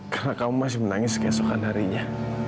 karena kamu masih menangis keesokan harinya